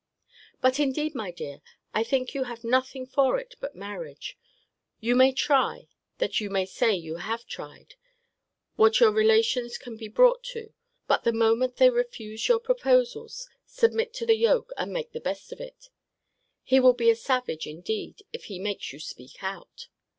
But indeed, my dear, I think you have nothing for it but marriage. You may try (that you may say you have tried) what your relations can be brought to: but the moment they refuse your proposals, submit to the yoke, and make the best of it. He will be a savage, indeed, if he makes you speak out.